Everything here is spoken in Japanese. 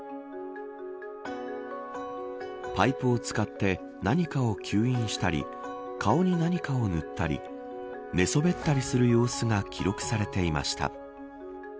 パイプを使って何かを吸引したり顔に何かを塗ったり寝そべったりする様子が記録されていました。